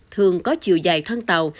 thường có chiều dài thân tàu